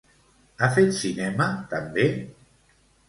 Ha fet cinema, també?